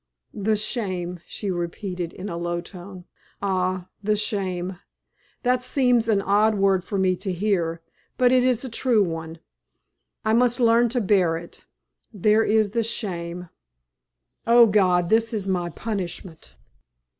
"The shame," she repeated in a low tone "ay, the shame. That seems an odd word for me to hear. But it is a true one. I must learn to bear it. There is the shame! Oh, God! this is my punishment."